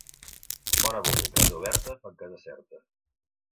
Bona boca i casa oberta fan casa certa.